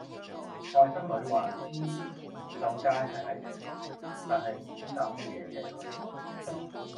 外甥女話知湖秀街係喺屯門但係唔知搭咩野車去